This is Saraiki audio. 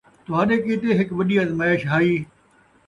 تُہاݙے کِیتے ہِک وَݙی اَزمائش ہَئی ۔